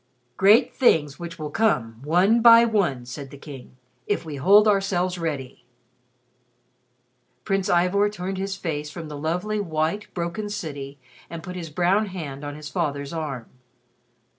"Great things which will come, one by one," said the King, "if we hold ourselves ready." Prince Ivor turned his face from the lovely, white, broken city, and put his brown hand on his father's arm.